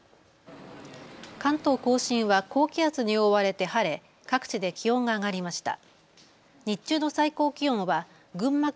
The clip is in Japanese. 関東甲信は高気圧に覆われて晴れ、各地で気温が上がりました。